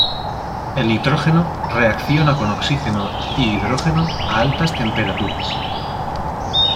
El nitrógeno reacciona con O y H a altas temperaturas.